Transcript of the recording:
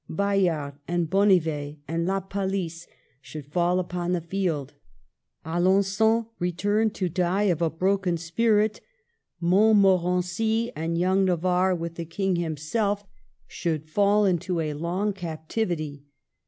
Bayard and Bonnivet and La Palice should fall upon the field; Alen^on return to die of a broken spirit; Montmorency and young Navarre, with the King himself, should fall 74 MARGARET OF ANGOULEME. into a long captivity.